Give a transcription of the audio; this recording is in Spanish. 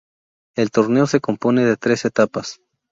El torneo se compone de tres etapas.